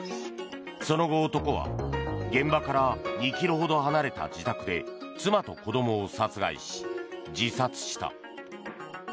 その後、男は現場から２ｋｍほど離れた自宅で妻と子どもを殺害し、自殺した。